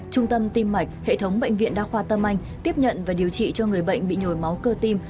trung tâm tim mạch hệ thống bệnh viện đa khoa tâm anh tiếp nhận và điều trị cho người bệnh bị nhồi máu cơ tim